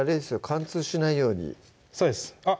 貫通しないようにそうですあっ